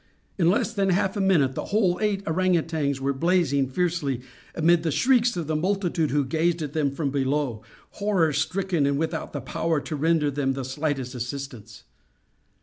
In less than half a minute the whole eight ourang outangs were blazing fiercely, amid the shrieks of the multitude who gazed at them from below, horror stricken, and without the power to render them the slightest assistance.